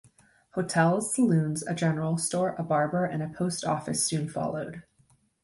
Hotels, saloons, a general store, a barber and a post office soon followed.